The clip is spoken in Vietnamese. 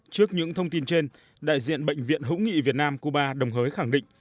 trước những thông tin trên đại diện bệnh viện hữu nghị việt nam cuba đồng hới khẳng định